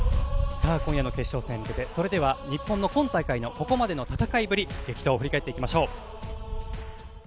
今夜の決勝戦に向けて日本の今大会のここまでの戦いぶり、激闘を振り返っていきましょう。